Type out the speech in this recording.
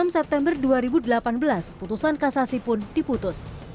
enam september dua ribu delapan belas putusan kasasi pun diputus